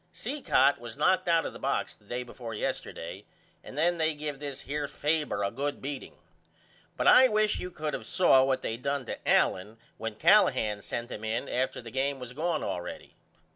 Cicotte was knocked out of the box the day before yesterday and then they give this here Faber a good beating but I wish you could of saw what they done to Allen when Callahan sent him in after the game was gone allready.